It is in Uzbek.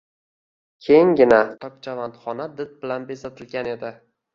Kenggina, tokchavand xona did bilan bezatilgan edi.